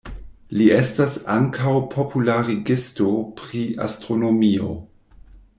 Li estas ankaŭ popularigisto pri astronomio.